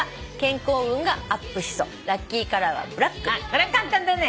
これは簡単だね。